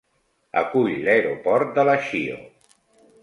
Acull l'aeroport de Lashio.